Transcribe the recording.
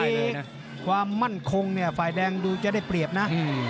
เอกความมั่นคงเนี่ยฝ่ายแดงดูจะได้เปรียบนะ